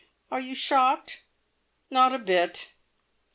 Are you shocked?" "Not a bit!"